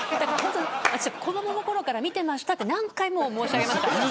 子どものころから見てましたって何回も申し上げました。